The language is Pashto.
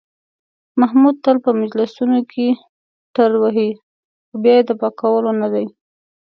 محمود تل په مجلسونو کې ټروهي، خو بیا یې د پاکولو نه دي.